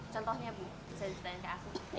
contohnya bu bisa ditanyakan aku